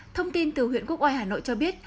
thông tin từ huyện quốc oai hà nội cho biết